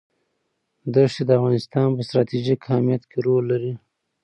ښتې د افغانستان په ستراتیژیک اهمیت کې رول لري.